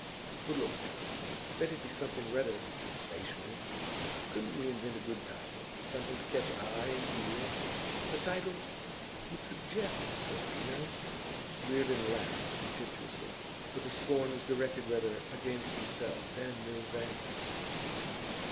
But look now: let it be something rather sensational. Couldn't we invent a good title something to catch eye and ear? The title would suggest the story, you know.' Reardon laughed contemptuously, but the scorn was directed rather against himself than Milvain.